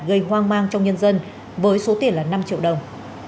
gây hoang mang trong nhân dân với số tiền là năm triệu đồng